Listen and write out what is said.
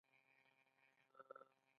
مالټې په ننګرهار کې کیږي